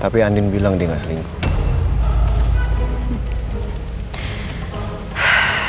tapi andin bilang dia gak selingkuh